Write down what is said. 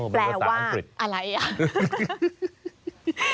อ๋อแปลว่าหมายความสาวอังกฤษ